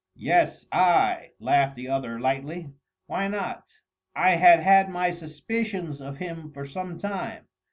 "Yes, I," laughed the other lightly. "Why not? I had had my suspicions of him for some time.